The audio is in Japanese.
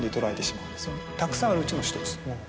たくさんあるうちの１つ。